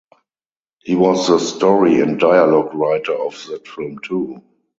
He was the story and dialogue writer of that film too.